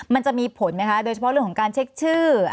มันจะมีผลไหมคะโดยเฉพาะเรื่องของการเช็คชื่อ